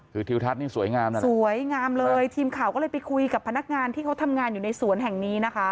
คือทิวทัศน์นี่สวยงามนะสวยงามเลยทีมข่าวก็เลยไปคุยกับพนักงานที่เขาทำงานอยู่ในสวนแห่งนี้นะคะ